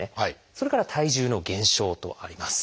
それから「体重の減少」とあります。